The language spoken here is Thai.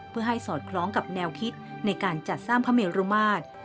เพื่อให้สอดคล้องกับแนวคิดในการจัดสร้างพระเมรุมาตร